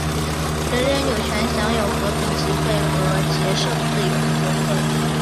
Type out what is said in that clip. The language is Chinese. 人人有权享有和平集会和结社的自由。